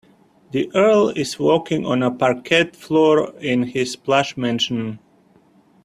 The earl is walking on the parquet floor in his plush mansion.